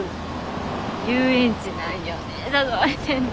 遊園地なんよね誘われてるの。